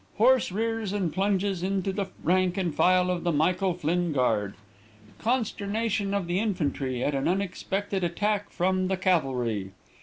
Horse rears and plunges into the rank and file of the Michael Flinn Guard. Consternation of the infantry at an unexpected attack from the cavalry.